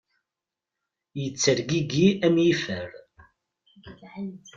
Ittergigi am yifer.